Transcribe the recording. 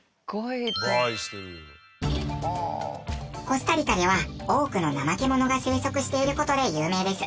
コスタリカには多くのナマケモノが生息している事で有名です。